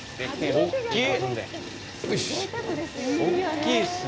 大きいっすね。